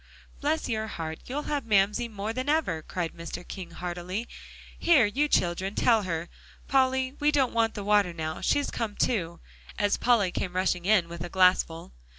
"Bless your heart, you'll have Mamsie more than ever," cried Mr. King heartily. "Here, you children, tell her. Polly, we don't want the water now, she's come to," as Polly came rushing in with a glassful.